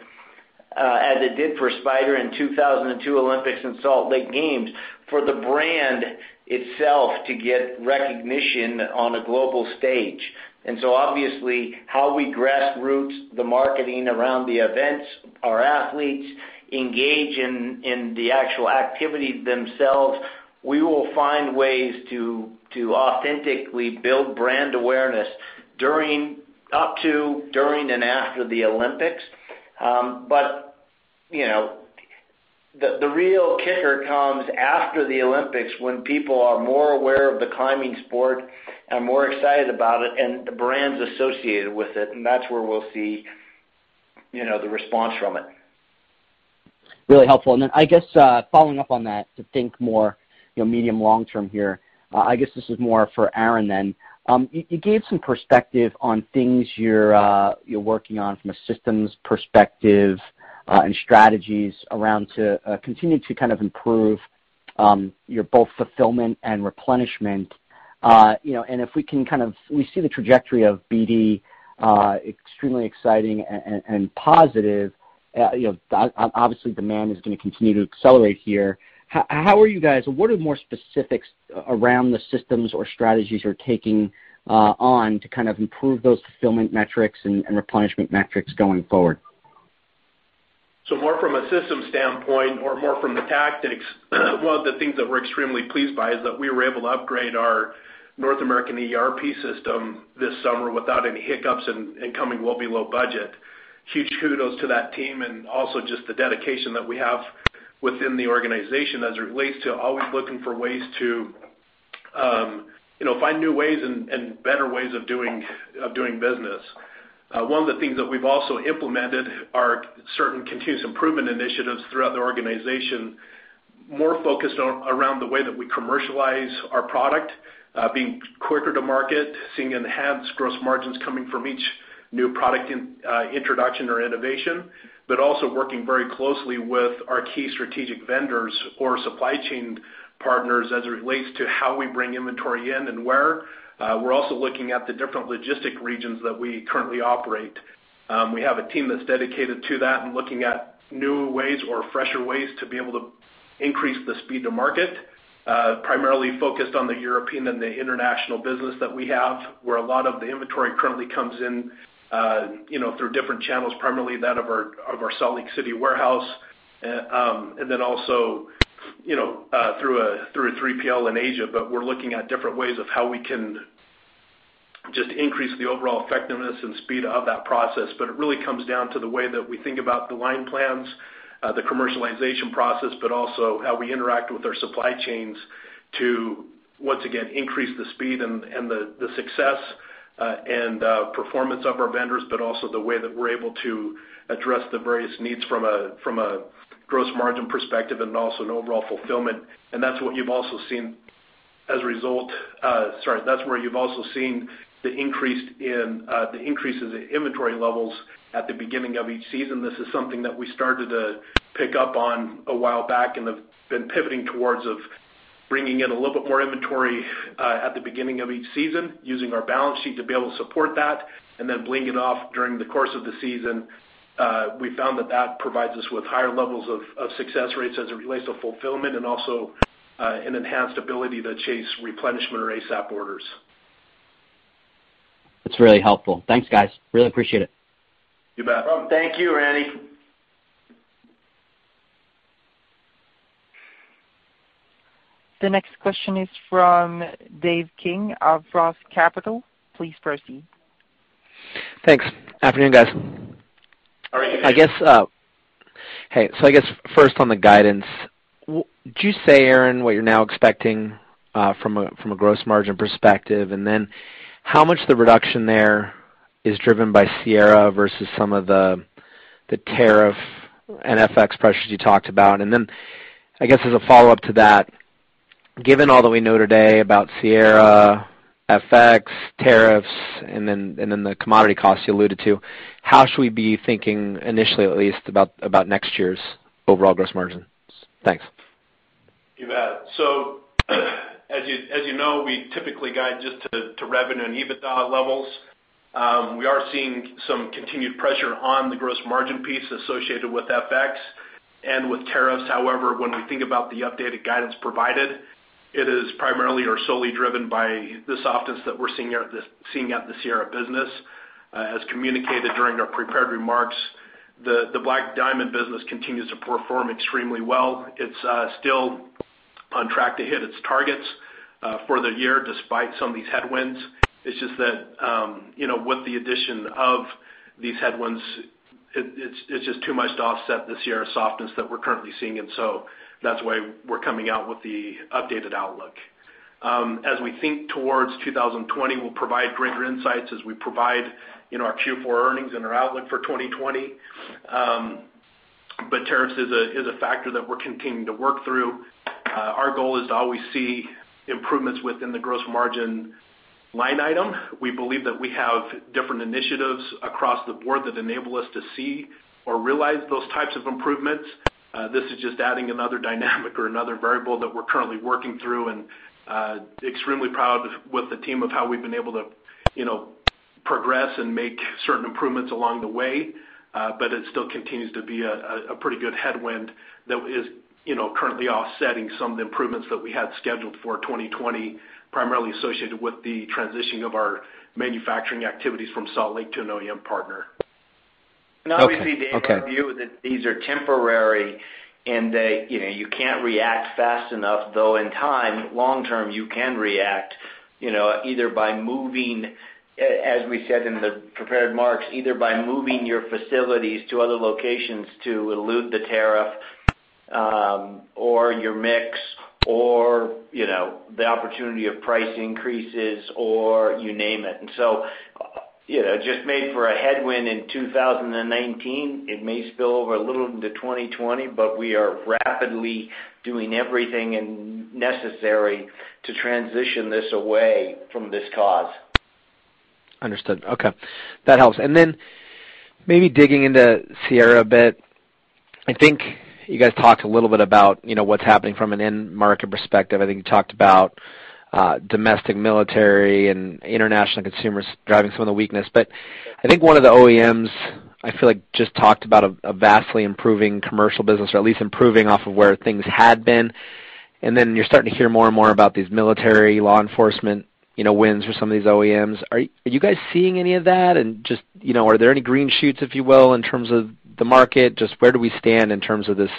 as it did for Spyder in 2002 Olympics in Salt Lake Games, for the brand itself to get recognition on a global stage. Obviously, how we grassroots the marketing around the events, our athletes engage in the actual activity themselves, we will find ways to authentically build brand awareness up to, during, and after the Olympics. The real kicker comes after the Olympics when people are more aware of the climbing sport and more excited about it and the brands associated with it, and that's where we'll see the response from it. Really helpful. I guess following up on that, to think more medium long term here, I guess this is more for Aaron, then. You gave some perspective on things you're working on from a systems perspective, and strategies around to continue to improve your both fulfillment and replenishment. If we can, we see the trajectory of BD, extremely exciting and positive. Obviously, demand is going to continue to accelerate here. What are more specifics around the systems or strategies you're taking on to kind of improve those fulfillment metrics and replenishment metrics going forward? More from a system standpoint or more from the tactics, one of the things that we're extremely pleased by is that we were able to upgrade our North American ERP system this summer without any hiccups and coming well below budget. Huge kudos to that team, and also just the dedication that we have within the organization as it relates to always looking for ways to find new ways and better ways of doing business. One of the things that we've also implemented are certain continuous improvement initiatives throughout the organization, more focused around the way that we commercialize our product, being quicker to market, seeing enhanced gross margins coming from each new product introduction or innovation. Also working very closely with our key strategic vendors or supply chain partners as it relates to how we bring inventory in and where. We're also looking at the different logistic regions that we currently operate. We have a team that's dedicated to that and looking at new ways or fresher ways to be able to increase the speed to market, primarily focused on the European and the international business that we have, where a lot of the inventory currently comes in through different channels, primarily that of our Salt Lake City warehouse, and then also through a 3PL in Asia. We're looking at different ways of how we can just increase the overall effectiveness and speed of that process. It really comes down to the way that we think about the line plans, the commercialization process, but also how we interact with our supply chains to, once again, increase the speed and the success, and performance of our vendors, but also the way that we're able to address the various needs from a gross margin perspective and also overall fulfillment. That's where you've also seen the increase in the inventory levels at the beginning of each season. This is something that we started to pick up on a while back and have been pivoting towards of bringing in a little bit more inventory at the beginning of each season, using our balance sheet to be able to support that, and then bleed it off during the course of the season, we found that that provides us with higher levels of success rates as it relates to fulfillment and also an enhanced ability to chase replenishment or ASAP orders. That's really helpful. Thanks, guys. Really appreciate it. You bet. Thank you, Randy. The next question is from Dave King of ROTH Capital. Please proceed. Thanks. Afternoon, guys. Afternoon. Hey, I guess first on the guidance, would you say, Aaron, what you're now expecting from a gross margin perspective, and then how much the reduction there is driven by Sierra versus some of the tariff and FX pressures you talked about? I guess as a follow-up to that, given all that we know today about Sierra, FX, tariffs, and then the commodity costs you alluded to, how should we be thinking initially, at least, about next year's overall gross margins? Thanks. You bet. As you know, we typically guide just to revenue and EBITDA levels. We are seeing some continued pressure on the gross margin piece associated with FX and with tariffs. However, when we think about the updated guidance provided, it is primarily or solely driven by the softness that we're seeing at the Sierra business. As communicated during our prepared remarks, the Black Diamond business continues to perform extremely well. It's still on track to hit its targets for the year, despite some of these headwinds. It's just that with the addition of these headwinds, it's just too much to offset the Sierra softness that we're currently seeing. That's why we're coming out with the updated outlook. As we think towards 2020, we'll provide greater insights as we provide our Q4 earnings and our outlook for 2020. Tariffs is a factor that we're continuing to work through. Our goal is to always see improvements within the gross margin line item. We believe that we have different initiatives across the board that enable us to see or realize those types of improvements. This is just adding another dynamic or another variable that we're currently working through, and extremely proud with the team of how we've been able to progress and make certain improvements along the way. It still continues to be a pretty good headwind that is currently offsetting some of the improvements that we had scheduled for 2020, primarily associated with the transitioning of our manufacturing activities from Salt Lake to an OEM partner. Okay. Obviously, Dave, our view is that these are temporary and that you can't react fast enough, though in time, long term, you can react, as we said in the prepared remarks, either by moving your facilities to other locations to elude the tariff, or your mix or the opportunity of price increases or you name it. Just made for a headwind in 2019. It may spill over a little into 2020, but we are rapidly doing everything necessary to transition this away from this cause. Understood. Okay. That helps. Maybe digging into Sierra a bit, I think you guys talked a little bit about what's happening from an end market perspective. I think you talked about domestic military and international consumers driving some of the weakness. I think one of the OEMs, I feel like, just talked about a vastly improving commercial business or at least improving off of where things had been. You're starting to hear more and more about these military law enforcement wins for some of these OEMs. Are you guys seeing any of that? Are there any green shoots, if you will, in terms of the market? Just where do we stand in terms of this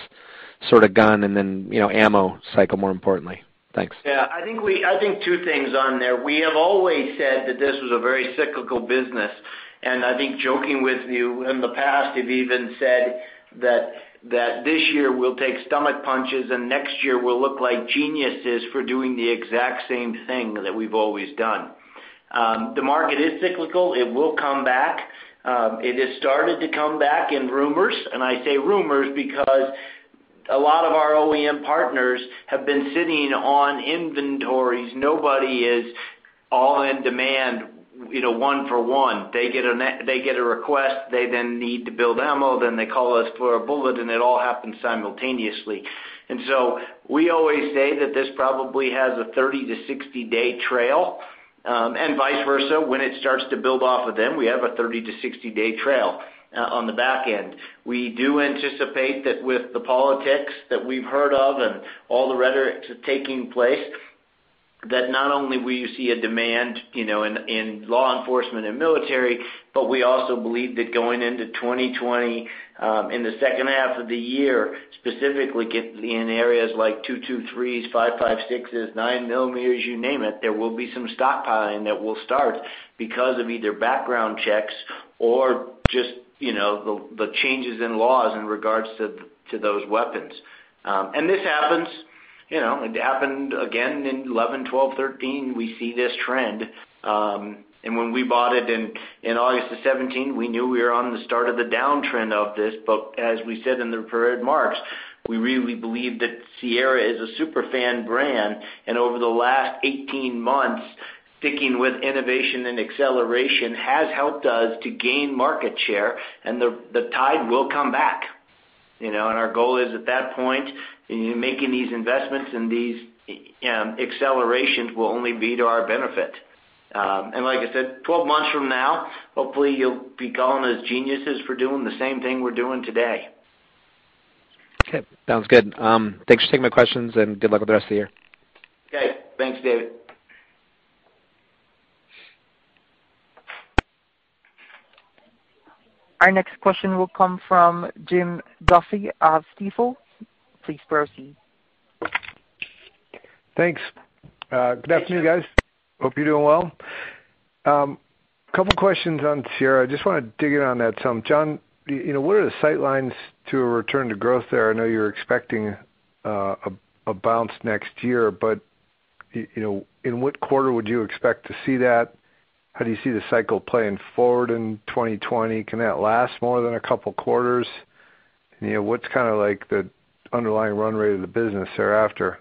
sort of gun and then ammo cycle, more importantly? Thanks. Yeah. I think two things on there. We have always said that this was a very cyclical business, and I think joking with you in the past, I've even said that this year we'll take stomach punches and next year we'll look like geniuses for doing the exact same thing that we've always done. The market is cyclical. It will come back. It has started to come back in rumors, and I say rumors because a lot of our OEM partners have been sitting on inventories. Nobody is all in demand, one for one. They get a request, they then need to build ammo, then they call us for a bullet, and it all happens simultaneously. We always say that this probably has a 30 to 60-day trail, and vice versa. When it starts to build off of them, we have a 30 to 60-day trail on the back end. We do anticipate that with the politics that we've heard of and all the rhetoric taking place, that not only will you see a demand in law enforcement and military, but we also believe that going into 2020, in the second half of the year, specifically in areas like 223s, 556s, 9 mm, you name it, there will be some stockpiling that will start because of either background checks or just the changes in laws in regards to those weapons. This happens. It happened again in 2011, 2012, 2013. We see this trend. When we bought it in August of 2017, we knew we were on the start of the downtrend of this. As we said in the prepared remarks, we really believe that Sierra is a super fan brand. Over the last 18 months, sticking with innovation and acceleration has helped us to gain market share, and the tide will come back. Our goal is at that point, making these investments and these accelerations will only be to our benefit. Like I said, 12 months from now, hopefully you'll be calling us geniuses for doing the same thing we're doing today. Okay, sounds good. Thanks for taking my questions and good luck with the rest of the year. Okay. Thanks, Dave. Our next question will come from Jim Duffy of Stifel. Please proceed. Thanks. Good afternoon, guys. Hope you're doing well. Couple questions on Sierra. I just want to dig in on that some. John, what are the sight lines to a return to growth there? I know you're expecting a bounce next year, in what quarter would you expect to see that? How do you see the cycle playing forward in 2020? Can that last more than a couple of quarters? What's kind of like the underlying run rate of the business thereafter?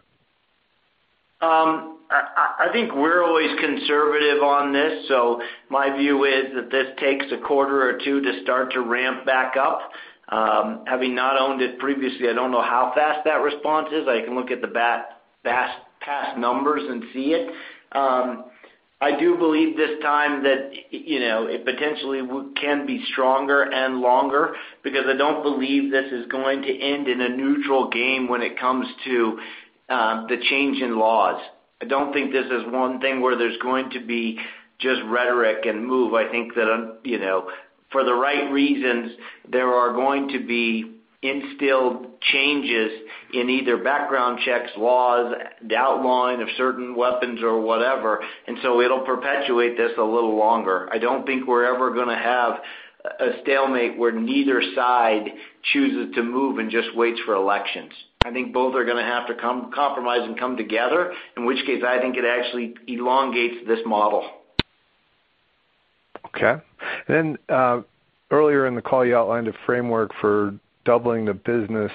I think we're always conservative on this, so my view is that this takes a quarter or two to start to ramp back up. Having not owned it previously, I don't know how fast that response is. I can look at the past numbers and see it. I do believe this time that it potentially can be stronger and longer because I don't believe this is going to end in a neutral game when it comes to the change in laws. I don't think this is one thing where there's going to be just rhetoric and move. I think that for the right reasons, there are going to be instilled changes in either background checks, laws, the outlawing of certain weapons or whatever. It'll perpetuate this a little longer. I don't think we're ever going to have a stalemate where neither side chooses to move and just waits for elections. I think both are going to have to compromise and come together, in which case, I think it actually elongates this model. Okay. Earlier in the call, you outlined a framework for doubling the business.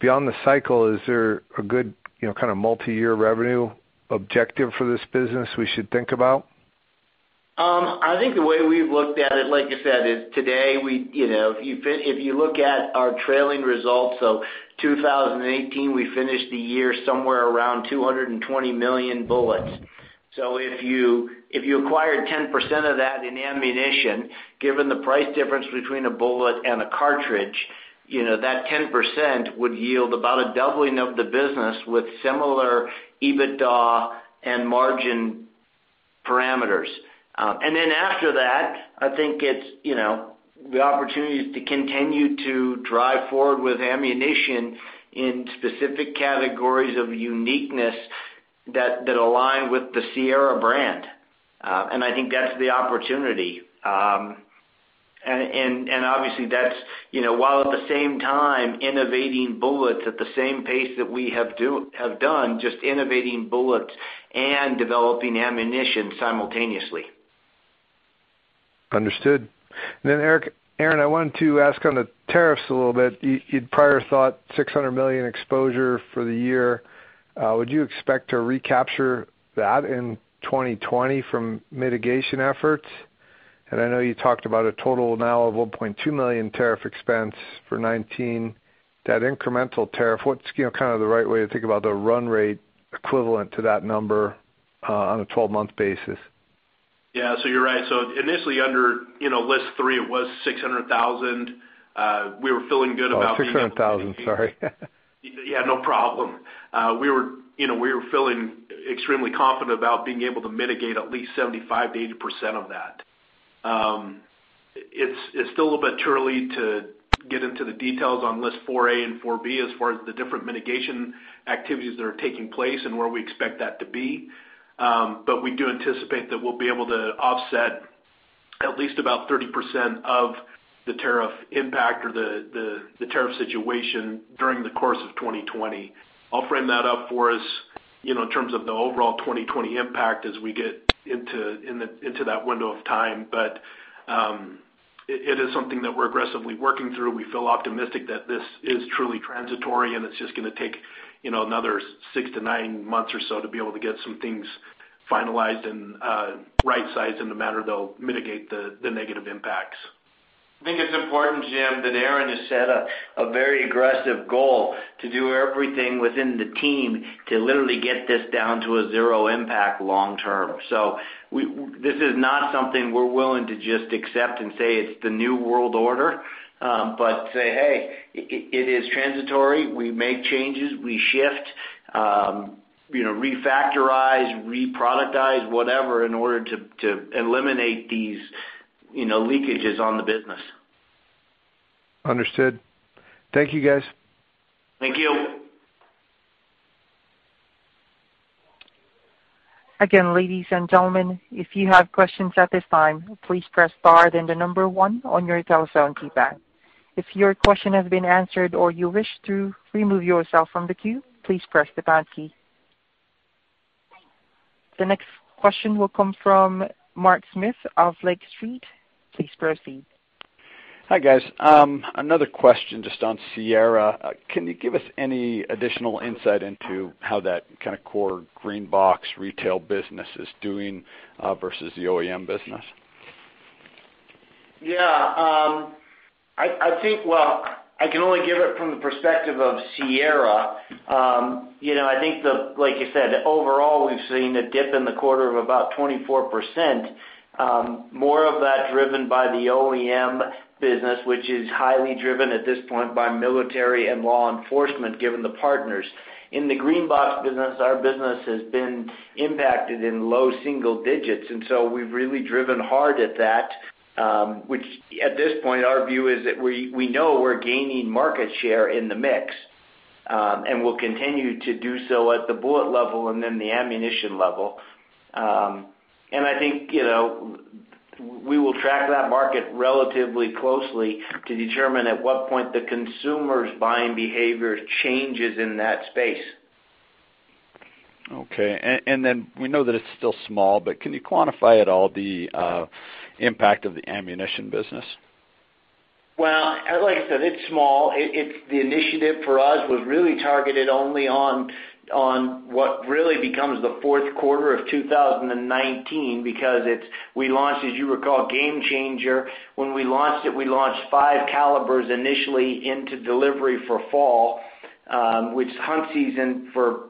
Beyond the cycle, is there a good kind of multi-year revenue objective for this business we should think about? I think the way we've looked at it, like I said, is today, if you look at our trailing results, 2018, we finished the year somewhere around 220 million bullets. If you acquired 10% of that in ammunition, given the price difference between a bullet and a cartridge, that 10% would yield about a doubling of the business with similar EBITDA and margin parameters. After that, I think it's the opportunities to continue to drive forward with ammunition in specific categories of uniqueness that align with the Sierra brand. I think that's the opportunity. Obviously that's, while at the same time, innovating bullets at the same pace that we have done, just innovating bullets and developing ammunition simultaneously. Understood. Aaron, I wanted to ask on the tariffs a little bit. You'd prior thought $600 million exposure for the year. Would you expect to recapture that in 2020 from mitigation efforts? I know you talked about a total now of $1.2 million tariff expense for 2019. That incremental tariff, what's kind of the right way to think about the run rate equivalent to that number on a 12-month basis? Yeah, you're right. Initially under List 3, it was $600,000. We were feeling good about. Oh, $600,000. Sorry. Yeah, no problem. We were feeling extremely confident about being able to mitigate at least 75%-80% of that. It's still a bit too early to get into the details on List 4A and 4B as far as the different mitigation activities that are taking place and where we expect that to be. We do anticipate that we'll be able to offset at least about 30% of the tariff impact or the tariff situation during the course of 2020. I'll frame that up for us in terms of the overall 2020 impact as we get into that window of time. It is something that we're aggressively working through. We feel optimistic that this is truly transitory, and it's just going to take another six to nine months or so to be able to get some things finalized and rightsized in a manner that'll mitigate the negative impacts. I think it's important, Jim, that Aaron has set a very aggressive goal to do everything within the team to literally get this down to a zero impact long term. This is not something we're willing to just accept and say it's the new world order, but say, "Hey, it is transitory. We make changes, we shift, refactorize, re-productize, whatever, in order to eliminate these leakages on the business. Understood. Thank you, guys. Thank you. Again, ladies and gentlemen, if you have questions at this time, please press star then the number one on your telephone keypad. If your question has been answered or you wish to remove yourself from the queue, please press the pound key. The next question will come from Mark Smith of Lake Street. Please proceed. Hi, guys. Another question just on Sierra. Can you give us any additional insight into how that kind of core green box retail business is doing versus the OEM business? I think, well, I can only give it from the perspective of Sierra. I think, like you said, overall, we've seen a dip in the quarter of about 24%, more of that driven by the OEM business, which is highly driven at this point by military and law enforcement, given the partners. In the green box business, our business has been impacted in low single digits, so we've really driven hard at that, which at this point, our view is that we know we're gaining market share in the mix, and we'll continue to do so at the bullet level and then the ammunition level. I think we will track that market relatively closely to determine at what point the consumer's buying behavior changes in that space. Okay. We know that it's still small, but can you quantify at all the impact of the ammunition business? Well, like I said, it's small. The initiative for us was really targeted only on what really becomes the fourth quarter of 2019 because we launched, as you recall, GameChanger. When we launched it, we launched five calibers initially into delivery for fall, which hunt season for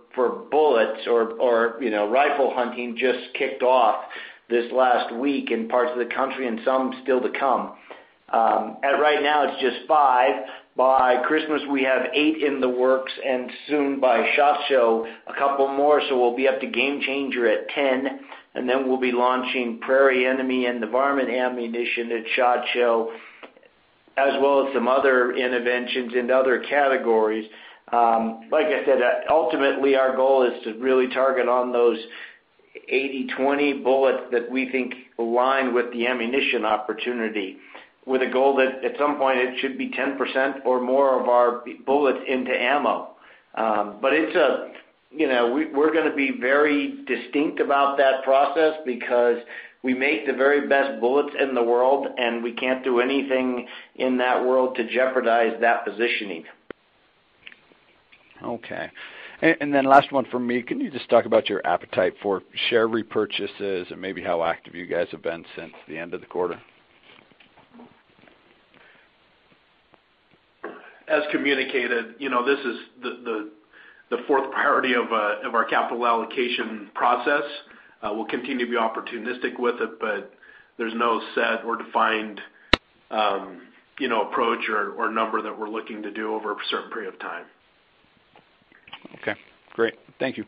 bullets or rifle hunting just kicked off this last week in parts of the country and some still to come. Right now it's just five. By Christmas, we have eight in the works, and soon by SHOT Show, a couple more, so we'll be up to GameChanger at 10, and then we'll be launching Prairie Enemy and the Varmint Ammunition at SHOT Show, as well as some other interventions into other categories. Like I said, ultimately our goal is to really target on those 80/20 bullets that we think align with the ammunition opportunity, with a goal that at some point it should be 10% or more of our bullets into ammo. We're going to be very distinct about that process because we make the very best bullets in the world, and we can't do anything in that world to jeopardize that positioning. Okay. Last one from me. Can you just talk about your appetite for share repurchases and maybe how active you guys have been since the end of the quarter? As communicated, this is the fourth priority of our capital allocation process. We'll continue to be opportunistic with it, but there's no set or defined approach or number that we're looking to do over a certain period of time. Okay, great. Thank you.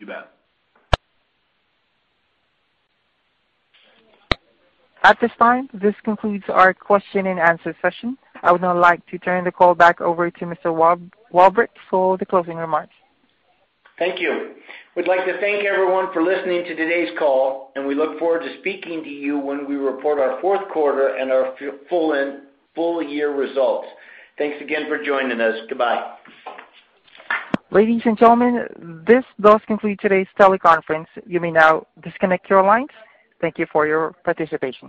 You bet. At this time, this concludes our question and answer session. I would now like to turn the call back over to Mr. Walbrecht for the closing remarks. Thank you. We'd like to thank everyone for listening to today's call, and we look forward to speaking to you when we report our fourth quarter and our full year results. Thanks again for joining us. Goodbye. Ladies and gentlemen, this does conclude today's teleconference. You may now disconnect your lines. Thank you for your participation.